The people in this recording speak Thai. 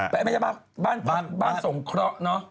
แต่ไม่ใช่บ้านพักสงเคราะห์เนอะ